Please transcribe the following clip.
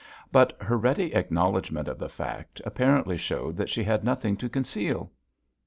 But her ready acknowledgment of the fact apparently showed that she had nothing to conceal.